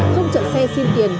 không chặn xe xin tiền